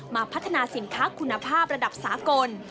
พัฒนาสินค้าคุณภาพระดับสากล